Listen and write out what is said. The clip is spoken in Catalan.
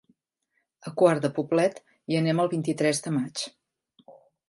A Quart de Poblet hi anem el vint-i-tres de maig.